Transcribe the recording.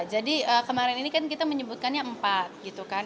jadi kemarin ini kan kita menyebutkannya empat gitu kan